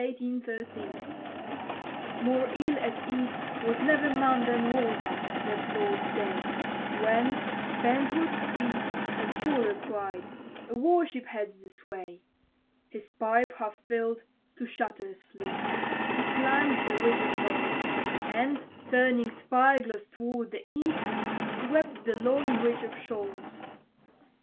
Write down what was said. _ More ill at ease was never man than Walbach, that Lord's day, When, spent with speed, a trawler cried, "A war ship heads this way!" His pipe, half filled, to shatters flew; he climbed the ridge of knolls; And, turning spy glass toward the east, swept the long reach of Shoals.